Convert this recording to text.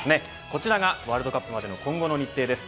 こちらがワールドカップまでの今後の日程です。